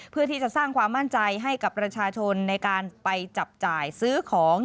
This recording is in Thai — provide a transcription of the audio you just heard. เพื่อที่จะสร้างความมั่นใจให้กับประชาชนในการไปจับจ่ายซื้อของ